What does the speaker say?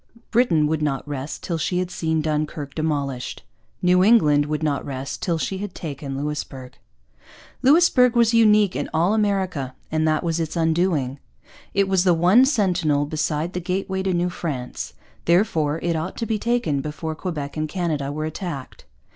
Britain would not rest till she had seen Dunkirk demolished. New England would not rest till she had taken Louisbourg. Louisbourg was unique in all America, and that was its undoing. It was the one sentinel beside the gateway to New France; therefore it ought to be taken before Quebec and Canada were attacked.